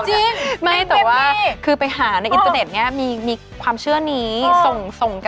จริงไม่แต่ว่าคือไปหาในอินเตอร์เน็ตเนี่ยมีความเชื่อนี้ส่งส่งต่อ